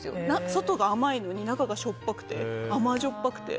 外が甘いのに中がしょっぱくて甘じょっぱくて。